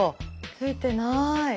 ついてない。